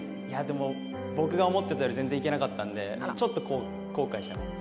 でも僕が思ってたより全然いけなかったんでちょっと後悔してます。